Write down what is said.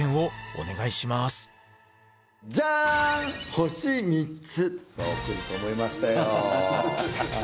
星３つ！